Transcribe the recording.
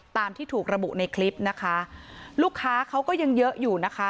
ตามที่ถูกระบุในคลิปนะคะลูกค้าเขาก็ยังเยอะอยู่นะคะ